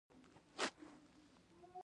ځوانې ښځې د هغه سپین ویښتان ایستل.